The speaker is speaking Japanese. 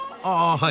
はい。